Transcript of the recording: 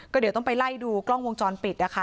เดี๋ยวต้องไปไล่ดูกล้องวงจรปิดนะคะ